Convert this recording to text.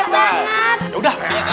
pak d mau sakit terus